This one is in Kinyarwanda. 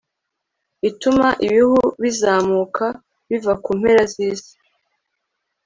Ituma ibihu bizamuka biva ku mpera zisi